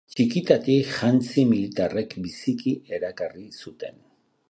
Txikitatik, jantzi militarrek biziki erakarri zuten.